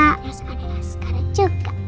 terus ada raskara juga